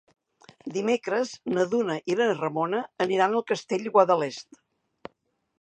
Dimecres na Duna i na Ramona aniran al Castell de Guadalest.